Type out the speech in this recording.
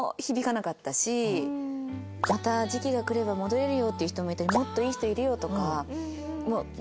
「また時期が来れば戻れるよ」って言う人もいたり「もっといい人いるよ」とか。